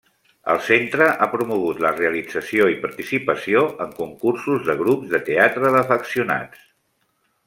El Centre ha promogut la realització i participació en concursos de grups de teatre d'afeccionats.